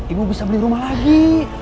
ibu bisa beli rumah lagi